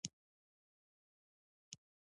ته مې وویل: که دغه لار یو منزل ته ونه رسېدل.